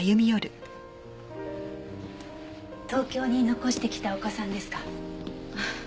東京に残してきたお子さんですか？